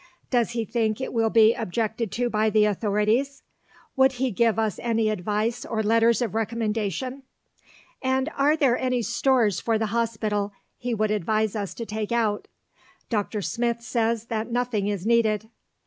Does he think it will be objected to by the authorities? Would he give us any advice or letters of recommendation? And are there any stores for the Hospital he would advise us to take out? Dr. Smith says that nothing is needed.